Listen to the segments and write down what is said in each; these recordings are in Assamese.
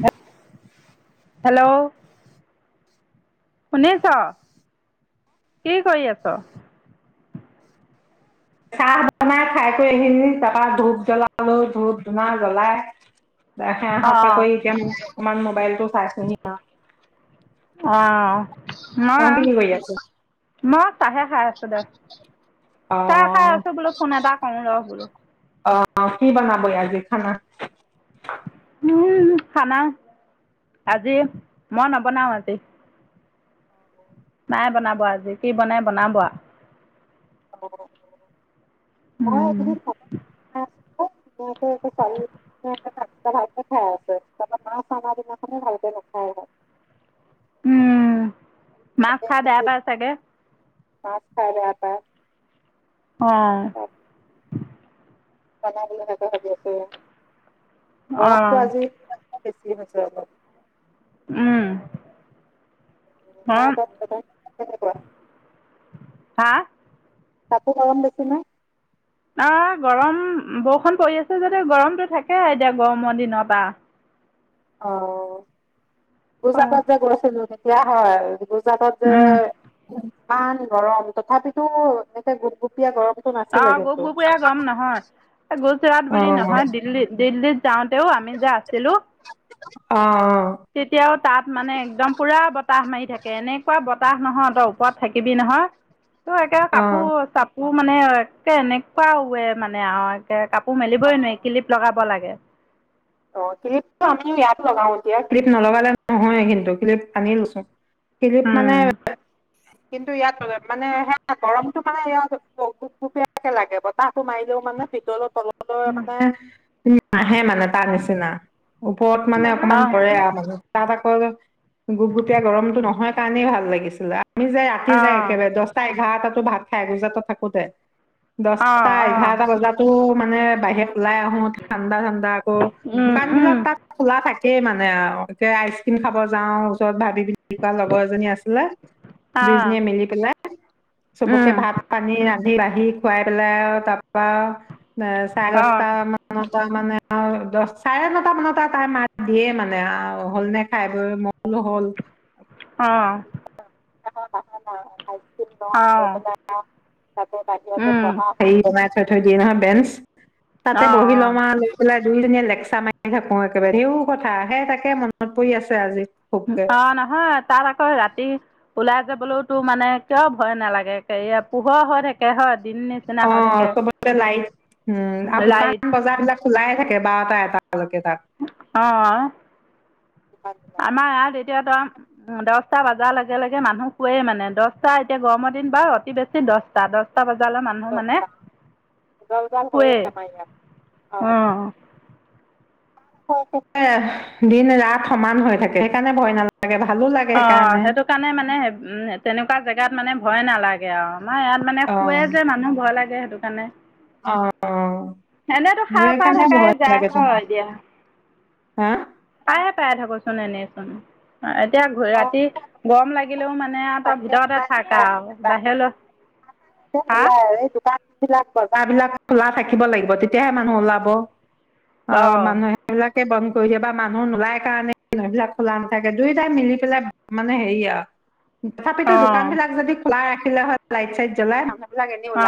হে, হেল্ল', শুনিছ কি কৰি আছ? চাহ বনাই খাই কৰি এইখিনি, তাৰপৰা ধূপ জ্বলালো, ধূপ ধুনা জ্বলাই। অ চাহ খাই [inaudible] এতিয়া মই অকমান মোবাইলটো চাইছো হি আৰু। অ। নহয়, আছ মই চাহে খাই আছো দে, অ চাহ খাই আছো বোলো ফোন এটা কৰো ৰ বোলো। অ, কি বনাবই আজি খানা? উম, খানা আজি মই নবনাও আজি, মাই বনাব আজি কি বনাই বনাব। অ। মই উম এইকেইদিন ভাতকে বনাই আছো। ধুনটা ভালকে খাই আছে তাৰ মা চাৰ দিনাখন ভালকে নাখাই হয় [inaudible] উম, মাছ খাই বেয়া এতিয়া পায় চাগে। মাছ খাই বেয়া পায়। অহ। মন কতে ভা [unintelligible] অ গৰমটো আজি। বেছি হৈছে অলপ উম আহ আছে নে কোৱা হা আকৌ গৰম বেছি না অ গৰম বৰষুণ পৰি আছে যাতে গৰমটো থাকে আউ এতিয়া গৰমৰ দিনৰ পৰা। অ পইচা পোৱা যে গৈছা তেন্তে সেইয়া হয়। জাগাতে উম ইমান গৰম তথাপিতো এনেকে গোপগুপীয়া গৰম। অ গোপগোপীয়া গৰম নহয় গুজৰাট বুলি অ', নহয় দিল্লী দিল্লীত। যাওঁতেও আমি যে আহিলোঁ। অ-অ-অ তেতিয়াও তাত মানে একদম পুৰা বতাহ মাৰি থাকে এনেকুৱা বতাহ নহয় তই ওপৰত থাকিবি নহয়। এতিয়া অ'। অ', কাপোৰ চাপ মানে একে এনেকুৱা ওৱে মানে আৰু একে কাপোৰ ক মেলিবই নোৱাৰি কিলিপ লগাব লাগে। কে অ ক্লিপটো আমি ইয়াত লগাও এতিয়া ক্লিপ নলগালে নহয় কিন্তু ক্লিপ আনি লৈছো। ক্লিপ মানে উম কিন্তু ইয়াত মানে গৰমতটো মানে ইয়াত গোপগোপীয়াকৈ লাগে বতাহটো মাৰিলেও মানে ভিতৰতো তলতো মানে নাহে মানে। আছে না ওপৰত মানে অকমান অ' পৰে আৰু তাত আকৌ গোপগোপীয়া গৰমটো নহয় কাৰণেই ভাল লাগিছিলে। আমি যাই ৰাতি যায় অ' একেবাৰে দহটা এঘাৰটাত টো ভাত খাই এগোজাতো থাকোতে। অ' দশটা অ' এঘাৰটা বজাতো। মানে বাহিৰ ওলাই আহো ঠাণ্ডা ঠাণ্ডা উম দোকান উম বিলাক তাত খোলা থাকে। থাকেই মানে আইচ ক্ৰীম খাব যাওঁ ওচৰত ভাবি দীপিকা লগৰ এজনী আছিলে অ' দুইজনীয়ে মিলি ডিনে চবকে উম ভাত - পানী ৰান্ধি বাঢ়ি খুৱাই পেলাই তা পা। ন চাৰে অ' দহচতা মানত। তাৰ মানে। অ দহ চাৰে নটা মানতে তাই মাত দিয়ে মানে হ'ল নে খাই বৈ। নহ'ল। অ' এটা কথা নহয়। আইচক্ৰীম ল'ৰাক আনি অ' পলাই। তাকে বাহিৰতে উম পঢ়া হেৰি কমা। তাতো দিয়ে বেঞ্জ। তাতে অ' বহি অ' লম আৰু। যোন জনীয়ে লেকচা মাৰি থাকে কও একেবাৰে ইও কতা সেই তাকে মনত পৰি আছে আজি। খুবকে অ নহয় তাত আকৌ ৰাতি ওলাই। যাবলৈওতো মানে কিয় ভয় নালাগে কে পোহৰ হৈ থাকে হয়। দিন নিচিনা অ হৈ থাকে চবতে লাইট উম আৰু দোকান লাইট বজাৰ বিলাক খোলাই থাকে। এবাৰ পা এবা অ আমাৰ ইয়াত। এতিয়া ট দহটা বজাৰ লগে লগে মানুহ শোৱেই মানে দহটা এতিয়া গৰমৰ দিন বাৰু অতি বেছি দহটা দহটা বজাত। জালৰ মানুহ মানে উজাল উজাল হয়ে শুৱেই আমাৰ ইয়াত অ। অ তাকে দিন ৰাত সমান হৈ থাকে সেইকাৰণে ভয় নালাগে। ভালো লাগে অ সেইকাৰণে সেইটো কাৰণে মানে উ তেনেকুৱা জেগাত মানে। ভয় নালাগে আৰু। আমাৰ ইয়াত মানে অ শুৱে যে মানুহ ভয় লাগে সেইটো। সেইকাণে। অ অ এনেতো সাৰ পা সেইকাৰণে থাকাই ভয় যায় লাগে তোমাৰ হয় দিয়া। হা পায়ে পায়ে থাকোচোন এনেচোন। অ এতিয়া অ ৰাতি গৰম লাগিলেও মানে। মানে আও তই ভিতৰতে থাকা নোলায়, আৰু বাহিৰলৈ। হা নোলাই আৰু এই দোকান বিলাক। বজাৰ বিলাক খোলা থাকিব লাগিব তেতিয়াহে মানুহ ওলাব। অ মানুহবিলাক। বন্ধ কৰি দিয়ে বা মানুহ নোলাই কাৰণে দোকান বিলাক খোলা নাথাকে দুইটাই মিলি পেলাই মানে হেৰি আৰু। তথাপিতো অ দোকান বিলাক যদি লাই ৰাখিলে হয় লাইট চাই চলাই [unintelligible] অ,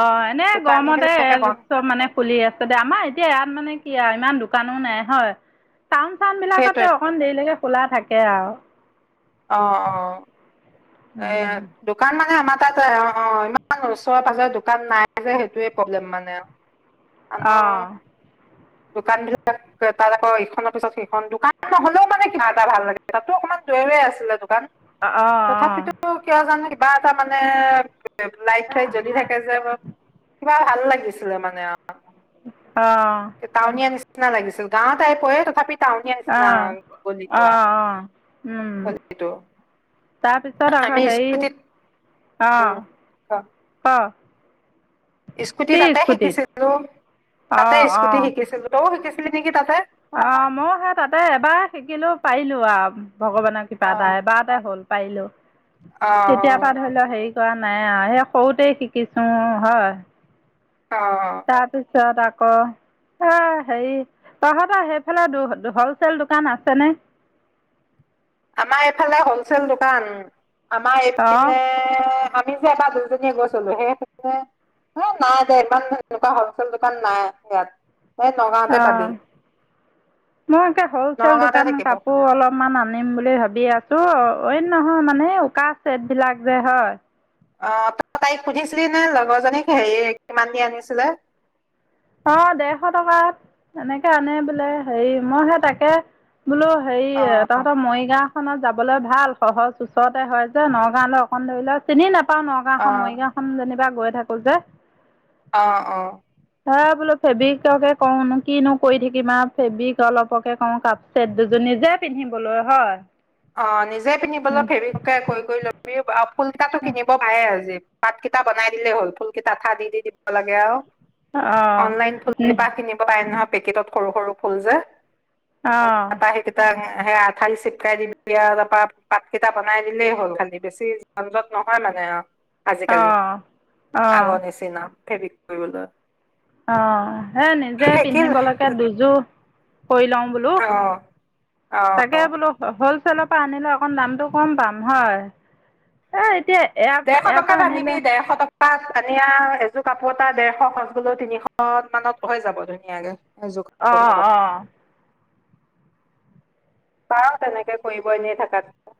অ এনে দোকানী গৰমতে বিলাকে বন্ধ চব মানে খুলি আছে দে আমাৰ এতিয়া ইয়াত মানে হয় ইমান দোকানো নাই হয়। টাউন-চাউন সেইটোৱে বিলাকতে অকণ দেৰিলৈকে খোলা থাকে। সেয়াও। অ-অ এ দোকান মানে আমাৰ তা অ-অ ইমান ওচৰে পাজৰে দোকান নাই যে সেইটোয়ে প্ৰব্লেম মানে। মানুহ অহ দোকান বিলাক তাত আকৌ ইখনৰ পিছত সেইখন দোকান নহলেও মানে কিবা এটা ভাল লাগে, তাতো অকমান দুৰে-দূৰে আছিলে দোকান। অ অ অ তথাপিতো কিয় জানো কিবা এটা মানে লাইট চাইট জ্বলি থাকে যে কিবা ভাল লাগিছিলে মানে অহ টাউনিয়া নিচিনা নিচিনা লাগিছিল, গাঁৱত আহ পয়ে তথাপি টাউনিয়া অ অ অ নিচিনা আও গলিটো আও, অ [unintelligible] টো তাৰপিছত আকৌ হেৰি, অ, উম ক ক। স্কুটি কি তাতে স্কুটিত? শিকিছিলো, তাতে অঁ স্কুটি শিকিছিলো, তও শিকিছিল নেকি তাতে? অ মই সেই তাতে এবাৰ শিকিলো পাৰিলো আৰু ভগৱানৰ কৃপা অ এটা এবাৰতে হ'ল। পাৰিলো। তেতিয়াৰ পৰা ধৰি লঃ হেৰি চোৱা নাই আৰু সেই সৰুতেই শিকিছো হয়। অ অ তাৰপিছত তাত আকৌ হেৰি তহঁতৰ সেইফালে হলচেল দোকান আছেনে? আমাৰ এইফালে হলচেল দোকান আমাৰ অঁ এইপিনে আমি যে এবাৰ দুজনীয়ে গৈছিলোঁ সেই [inaudible] সেই নাই দে ইমান এনেকুৱা হলচেল দোকান নাই ইয়াত। এই নগাঁওতে অ পাবি মই একে হ'লচেল নগাঁওতে দোকান থাকিব কাপোৰ অলপমান আনো আনিম বুলি ভাবি আছো নহয় মানে উকা চেট বিলাক যে হয়? অ তই তাইক সুধিছিলি নে লগৰজনীক হেৰি কিমান দি আনিছিলে? অ দেৰশ টকাত এনেকে আনে বোলে হেৰি মই সেই তাকে বোলো হেৰি তহঁতৰ মৰিগাঁও ত যাবলৈ ভাল সহজ ওচৰতে হয় যে নগাঁওলৈ অকণ ধৰিলেও চিনি নাপায় পা অ নগাঁওখন মৰিগাঁও খন যেনিবা গৈ থাকো যে অ অ হয় বোলো ফেব্ৰিককে কৰো নেকি কৰি থাকিম ফেব্ৰিক অলপকে কও কাপচেট দুজনী যে পিন্ধিবলৈ হয় অ নিজে পিন্ধিবলৈ উম ফেব্ৰিককে কৰি কৰি ল এই আ ফুল্টা কিনিব পাৰে আজি পাতকেইটা বনাই দিলেই হ'ল ফুল কেইটা আঠা দি দি দিব লাগে আৰু অঁ অনলাইন ফুল কেইপাহ কিনিব পাৰে নহয় পেকেটত সৰু সৰু ফুল যে উম অঁ তাৰপা সেইকেইটা আনি হে আঠা দি চিপকাই দি এতিয়া তাৰপা পাতকেইটা বনাই দিলেই হ'ল খালি বেছি যনজট নহয় মানে আৰু আজিকালি অঁ অঁ আগৰ নিচিনা ফেব্ৰিক কৰিবলৈ অ হেই নিজে সেইখিন পিন্ধিবলেকে দুযোৰ কৰি লও বোলো অঁ তাকে বোলো হ'ল চেলৰ পৰা আনিলে অকণ দামটো কম পাম হয় এই এতিয়া ইয়াৰ দেৰশ ইয়াৰ টকা পৰা আনিবি আনিলে ডেৰশ টকা পাচ এযোৰ কাপোৰ এটা ডেৰশ সচ গলেও তিনিশ মানত হৈ যাব ধুনীয়াকে এযোৰ অঁ কটনৰ কাপোৰ অঁ চাও তেনেকে কৰিব এনেই থাকাত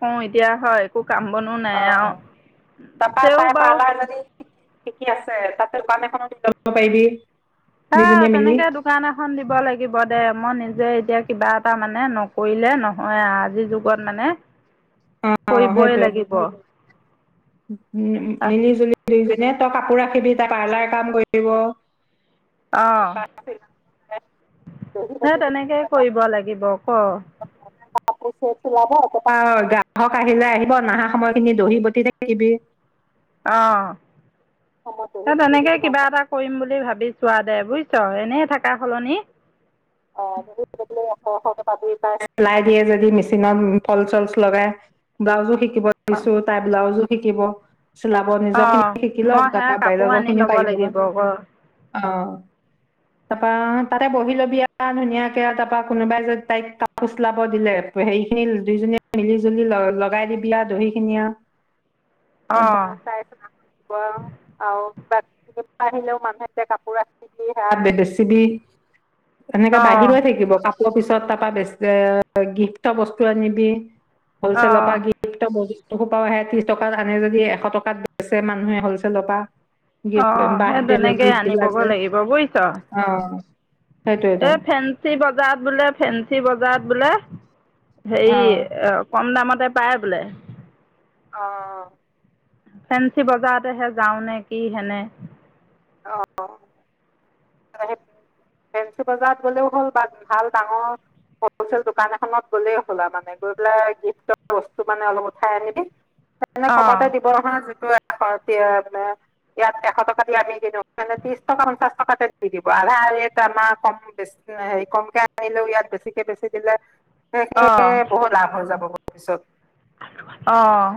অ এতিয়া হয় কাম বনো নাই অঁ আৰু তেওঁ বাৰু কি কি আছে তাতে দোকান এখনত লব পাৰিবি আহ দুইজনীয়ে মিলি তেনেকে দোকান এখন দিব লাগিব দে মই নিজে এতিয়া কিবা এটা মানে নকৰিলে নহয় আজিৰ যুগত মানে অঁ কৰিবই সেইটোৱে লাগিব উম মিলি জুলি নে তই কাপোৰ ৰাখিবি তই পাৰ্লাৰ কাম কৰিব অ দহি বতি সেই তেনেকে কৰিব লাগিব অহ লাব একপা গ্ৰাহক আহিলে আহিব নাহা সময়খিনি দহি বতি থাকিবি অ সময়ত দহি এ বতি তেনেকে দিবি কিবা মানুহক এটা কৰিম বুলি ভাবিছো। চোৱা দে বুজিছ এনেই থকা সলনি। অহ [unintelligible] প চিলাই দিয়ে যদি মেচিনত ফল চলচ লগাই ব্লাউজো শ- শিলাব অ' দিছো তাই ব্লাজ শিকিব চিলাব নিজৰ খিনি অ' শিকি লওক মই সেয়া তাৰপা কাপোৰ বেলেগৰ আনি খিনিও ল'ব পাৰি লাগিব আকৌ অ- তাৰপা তাতে বহি ল'বি কাৰন ধুনীয়াকে তাৰপৰা কোনোবাই যে তাইক খোচলাব দিলে হেৰি খিনি দুইজনীয়ে মিলি জুলি লগাই দিবি আৰু দহি খিনিয় আৰু তাৰপা অ' চাই চখন দিব আৰু আৰু কিবা [unintelligible] আহিলেও মানুহ এ যে কাপোৰ আহি সেয়া বে বেচি দি এনেকে বাঢ়ি অ' গৈ থাকিব কাপোৰ তাৰপিছত তাৰপা বেচলেট গিফ্টৰ বস্তু আনিবি। পইচ লতা অ' গিফ্টট বহি এহোপা আহে ত্ৰিশ টকাত আনে যদি এশ টকাত বেছে মানুহে হলছেেলৰ পৰা। অ সেই বাৰ্থডে তেনেকেই গিফ্টবিলাক আনিবগৈ যে অ' লাগিব বুজিছ। সেইটোৱেতো এ ফেঞ্চি বজাৰত বোলে ফেঞ্চি বজাৰত বোলে হা হেৰি অ' কম দামত তাই পায় বোলে। অ ফেঞ্চি বজাৰতেহে যাওঁ নে কি হেনে অ ফেঞ্চি বজাৰত গলেও হ'ল বা ভাল ডাঙৰ হলচেল দোকান এখনত গ'লেই হ'ল আৰু মানে গৈ পেলাই গিফ্টৰ বস্তু মানে অলপ উঠাই আনিবি। এনে কমতে অ' দিব নহয় যে [unintelligible] [unintelligible] ইয়াত এশ টকা দি আমি মানে ত্ৰিশ টকা পঞ্চাশ টকাতে দি দিব আধা ৰে আমাৰ কমে হে কমকে আহিলেও ইয়াত বেছিকে বেছি দিলে। সেইকে বহুত লাভ হৈ যাব পিছত অহঁ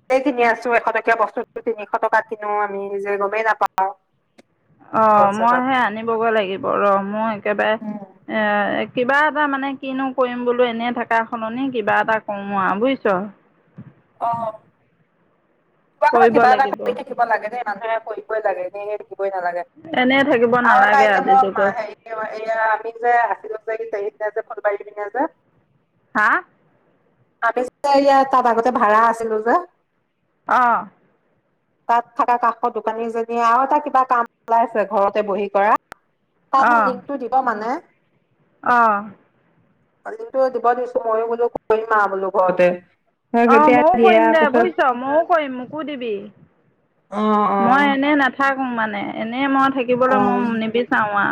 সেইকিনি আছো এশ টকীয়া বস্তুতটো তিনিশ টকা কিনো আমি যে গমেই নাপাওঁ অ অ মইহে আনিবগৈ লাগিব ৰম মই একেবাৰে এ কিবা এটা মানে কিনো কৰিম বোলো এনেই থকা সলনি কিবা এটা কমোৱা বুইছ। অ। কিবা নহয় কৰিব কিবা এটা লাগিব কৰি থাকিব লাগে ন? নৈ ক লাগে ন। লাগে এনে থাকিব আৰু এটা নালাগে এতিয়া আজিৰ মই যুগত মা আমি যে আছিলো? নজা ফটো মাৰি দিছে যে। হা। আমি বিচাৰিলে তাৰ আগত? ভাড়া আছিলো যে। আহ। তাত থকা কাষৰ দোকানীজনীয়ে আৰু এটা কিবা কাম উলাইছে ঘৰতে বহি কৰা? তাই মোক লিংকটো দিব মানে। আহঁ। কটো দিব দিছো মইয়ো বোলো কৰিম আও বুলো ঘৰতে? অ কেতিয়া ময়ো দিয়ে কৰিম দে পিছত বুজিছ ময়ো কৰিম মোক। মোকো দিবী। অ, অ। মানে এনে মত। থাকিবলৈ অ মই নিবিচাৰো আ।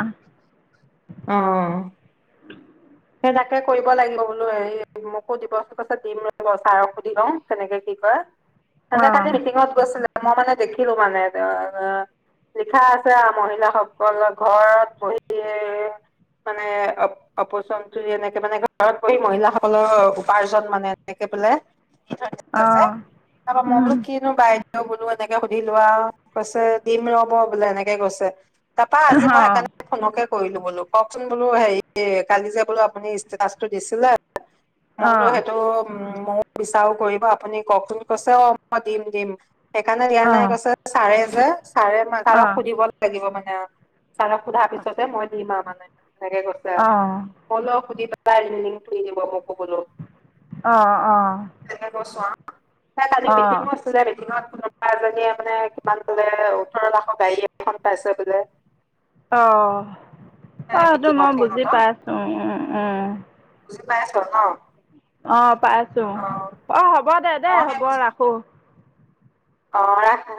অ সেজাতকে কৰিব লাগিব বোলো এই মোকো দিব দিম ৰ ছাৰক সুধি লওঁ তেনেকে কি কয়? অ সিজনে কালি মিটিঙত গৈছিলে? মই মানে দেখিলো মানে লিখা আছে আৰু মহিলাসকল ঘৰত বহি। মানে অ অপচন এনেকে মানে ঘৰত বহি মহিলাসকলৰ উপাৰ্জন মানে তেনেকে বোলে? ধ অ আছে তাৰপৰা মই বো উম কিনো বাইদেউ? বোলো এনেকে সুধি লোৱা কৈছে দিম ৰব বোলে এনেকে কৈছে? তাৰপৰা অ আজি মই সেইকাৰণে ফোনকে কৰি? কৰিলো বোলো? কওকচোন বোলো হেৰি কালি যে বোলো আপুনি ষ্টেটাচটো দিছিলে? মই অ অ বোলো সেইটো উম। ময় বিচাৰো কৰিব আপুনি কওকচোন কৈছে অ মই দিম দিম? একাৰনে দিয়া অ অ অ নাই কৈছে চাৰে। হে। ছাৰে ম ছাৰক সুধিব লাগিব মানে? অ ছাৰক সোধা পিছতে মই দিম আৰু মানে? নেকে গৈছা অ বলক সুধি চাম। তাই নি হোদি দিব মোক। অ, অ। তেনেকে [inaudible] তাই কালি মিটিংত আছিলে মিটিংত। তেনেকুৱা এজনীয়ে মানে কিমান বোলে, ওঠৰ লাখৰ গাড়ী এখন পাইছে বোলে। অহ। অ, সেইটো মিটিঙত মই বুজি সিহঁতৰ পাইছো উম, উম, উম। উম। বুজি পাইছ ন। অ। পাইছো অ অ, অ হ'ব দে দেই মই হ'ব সেই ৰাখো। অ, ৰাখ।